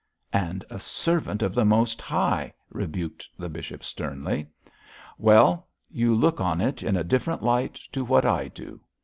'And a servant of the Most High,' rebuked the bishop, sternly. 'Well, you look on it in a different light to what I do.